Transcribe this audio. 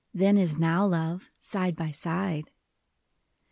Then as now, love, side by side.